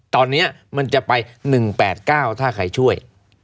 ตอนนี้มันจะไป๑๘๙ถ้าใครช่วย